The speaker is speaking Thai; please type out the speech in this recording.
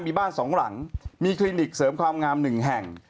มีบ้านสองหลังมีคลินิกเสริมความงามหนึ่งแห่ง